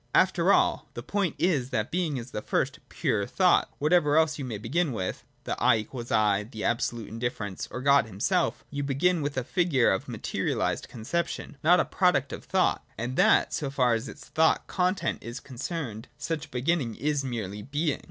After all, the point is, that Being is the first pure Thought ; whatever else you may begin with (the 1 = 1, the absolute indifference, or God himself), you begin with a figure of materialised concep tion, not a product of thought ; and that, so far as its thought content is concerned, such beginning is merely Being.